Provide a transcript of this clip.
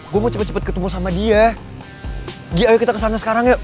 gue mau cepet cepet ketemu sama dia gita ayo kita kesana sekarang yuk